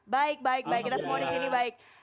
baik baik baik kita semua di sini baik